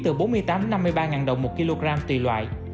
từ bốn mươi tám năm mươi ba đồng một kg tùy loại